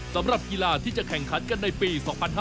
สำหรับกีฬาที่จะแข่งขันกันในปี๒๕๕๙